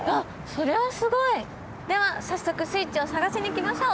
それはすごい！では早速スイッチを探しに行きましょう！